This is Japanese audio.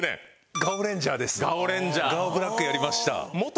ガオブラックやりました。